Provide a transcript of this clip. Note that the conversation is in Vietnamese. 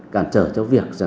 cảm trở cho việc